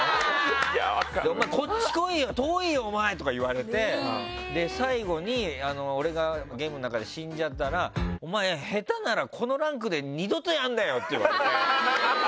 こっち来いよ、遠いよお前！とか言われて最後に俺がゲームの中で死んじゃったらお前、下手ならこのランクで二度とやんなよって言われて。